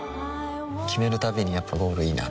決めるたびにやっぱゴールいいなってふん